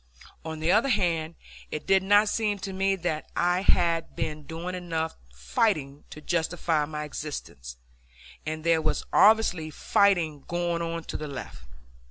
On the other hand, it did not seem to me that I had been doing enough fighting to justify my existence, and there was obviously fighting going on to the left.